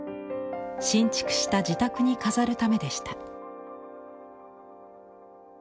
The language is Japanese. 新築した自宅に飾るためでした。